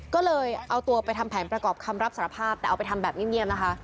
ก็เลยเอาตัวไปทำแผนประกอบคำรับสารภาพแต่เอาไปทำแบบเงียบนะคะ